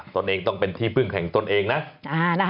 ตัวเองต้องเป็นที่พึ่งแห่งตนเองนะ